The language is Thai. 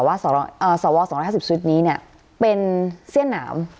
ว่าสวสองร้อยห้าสิบชุดนี้เนี่ยเป็นเสี้ยนหนาม